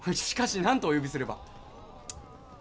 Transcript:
しかし何とお呼びすれば？